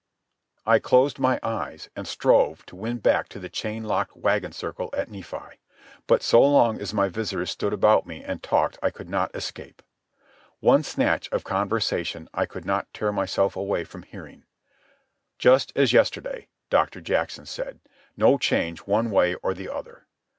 I closed my eyes and strove to win back to the chain locked wagon circle at Nephi. But so long as my visitors stood about me and talked I could not escape. One snatch of conversation I could not tear myself away from hearing. "Just as yesterday," Doctor Jackson said. "No change one way or the other."